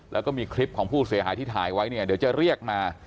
แล้วก็มีคลิปของผู้เสียหายที่ถ่ายไว้เนี่ยเดี๋ยวจะเรียกมา